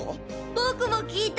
僕も聞いた！